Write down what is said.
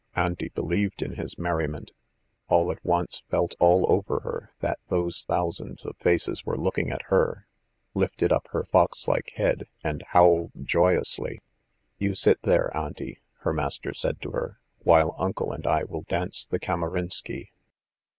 Auntie believed in his merriment, all at once felt all over her that those thousands of faces were looking at her, lifted up her fox like head, and howled joyously. "You sit there, Auntie," her master said to her, "while Uncle and I will dance the Kamarinsky."